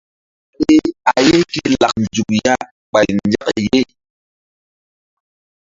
Kuru ɓahri a ye ke lak nzuk ya ɓay nzak ye.